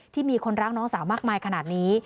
มีคนรักน้องสาวมากมายขนาดนี้